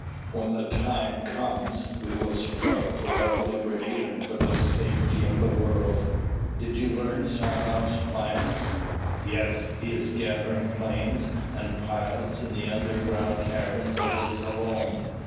When the time comes, we will strike for our liberty and for the safety of the world." "Did you learn Saranoff's plans?" "Yes. He is gathering planes and pilots in the underground caverns of the Selom.